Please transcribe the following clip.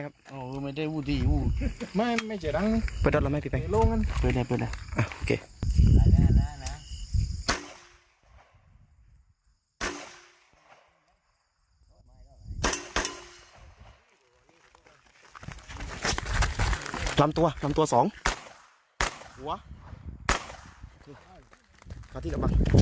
ขอบอกแม่นมาก